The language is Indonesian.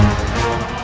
aku tidak tahu diri